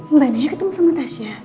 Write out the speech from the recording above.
mbak naya ketemu sama tasya